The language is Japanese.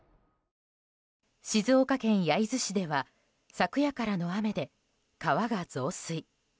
静岡県焼津市では昨夜からの雨で川が増水。